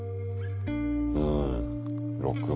うん６番。